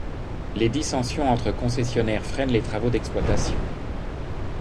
Les dissension entre concessionnaires freinent les travaux d'exploitation.